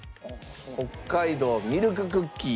北海道ミルククッキー。